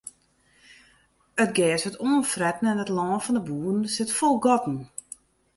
It gers wurdt oanfretten en it lân fan de boeren sit fol gatten.